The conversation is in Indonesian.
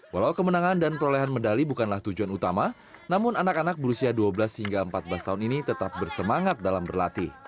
walau kemenangan dan perolehan medali bukanlah tujuan utama namun anak anak berusia dua belas hingga empat belas tahun ini tetap bersemangat dalam berlatih